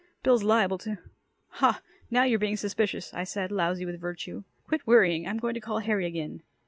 Bill's liable to " "Hah, now you're being suspicious," I said, lousy with virtue. "Quit worrying. I'm going to call Harry again."